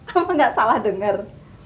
kamu tidak salah dengar